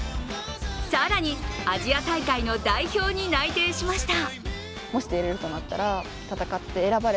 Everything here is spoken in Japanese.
更にアジア大会の代表に内定しました。